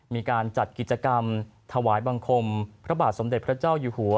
มีการจัดกิจกรรมถวายบังคมพระบาทสมเด็จพระเจ้าอยู่หัว